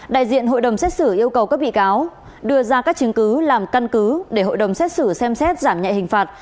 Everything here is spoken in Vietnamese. đại diện hội đồng xét xử yêu cầu các bị cáo đưa ra các chứng cứ làm căn cứ để hội đồng xét xử xem xét giảm nhẹ hình phạt